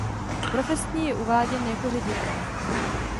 Profesně je uváděn jako ředitel.